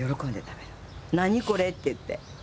「何これ！」って言って。